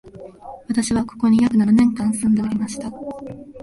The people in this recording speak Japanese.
私は、ここに約七年間住んでおりました